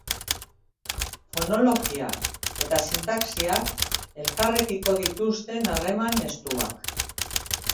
Fonologiak eta sintaxiak elkarrekiko dituzten harreman estuak.